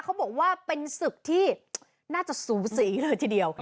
เขาบอกว่าเป็นศึกที่น่าจะสูสีเลยทีเดียว